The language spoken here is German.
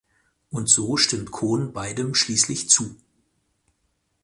Und so stimmt Cohn beidem schließlich zu.